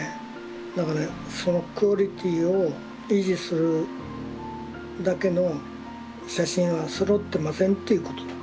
だからそのクオリティーを維持するだけの写真はそろってませんということだ。